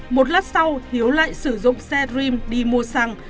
một lát sau hiếu lại sử dụng xe dream đi mua xăng